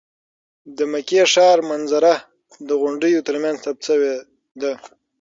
د مکې ښار منظره د غونډیو تر منځ ثبت شوې ده.